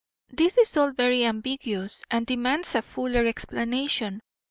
This is all very ambiguous and demands a fuller explanation.